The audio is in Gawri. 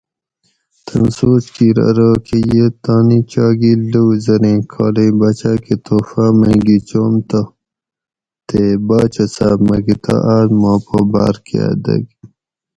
تن سوچ کِیر ارو کہ یہ تانی چاگیل لوؤ زریں کالئی باچاۤ کہ تحفاۤ مئی گِھیچوم تہ تے باچا صاب مکہ تہ آۤس ماں پا باۤر کاۤ دۤگ